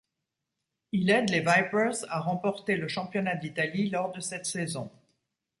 Il aide les Vipers à remporter le championnat d'Italie lors de cette saison.